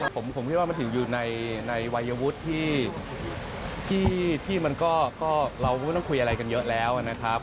ผมคิดว่ามันถึงอยู่ในวัยวุฒิที่มันก็เราไม่ต้องคุยอะไรกันเยอะแล้วนะครับ